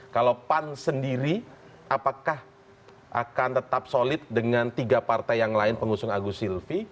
kalau pan sendiri apakah akan tetap solid dengan tiga partai yang lain pengusung agus silvi